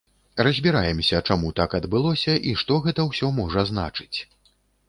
Разбіраемся, чаму так адбылося і што гэта ўсё можа значыць.